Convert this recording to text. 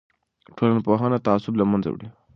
ټولنپوهنه تعصب له منځه وړي.